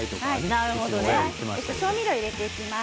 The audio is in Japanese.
調味料を入れていきます。